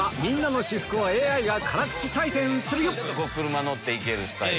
車乗っていけるスタイル。